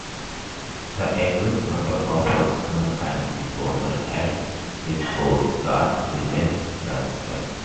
The exact number of personnel and equipment held with Coast Guards remains classified.